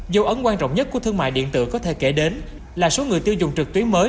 dấu ấn quan trọng nhất của thương mại điện tử có thể kể đến là số người tiêu dùng trực tuyến mới